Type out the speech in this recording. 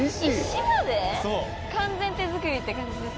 完全手作りって感じですか？